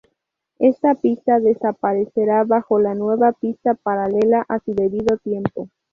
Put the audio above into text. Esta pista desaparecerá bajo la nueva pista paralela a su debido tiempo.